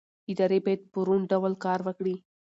ادارې باید په روڼ ډول کار وکړي